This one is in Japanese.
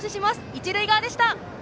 一塁側でした。